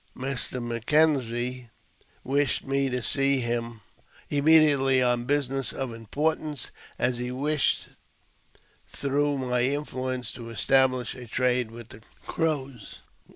M'Kenzie wished me to see him immediately on business of importance, as he wished, through my influence, to establish a trade with the Crows.